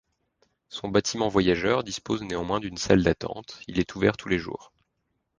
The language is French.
Son bâtiment voyageurs dispose néanmoins d'une salle d'attente, il est ouvert tous les jours.